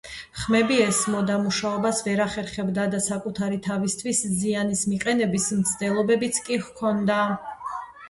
ხმები ესმოდა, მუშაობას ვერ ახერხებდა და საკუთარი თავისთვის ზიანის მიყენების მცდელობებიც კი ჰქონდა